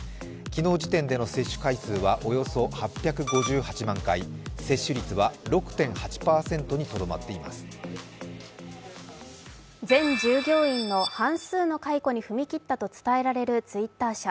昨日時点での接種回数はおよそ８５８万回接種率は６．８％にとどまっています全従業員の半数の解雇に踏み切ったと伝えられるツイッター社。